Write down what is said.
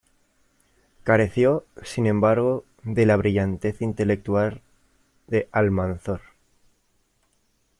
Careció, sin embargo, de la brillantez intelectual de Almanzor.